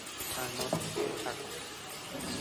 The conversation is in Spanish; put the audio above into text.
Al norte: Chaco.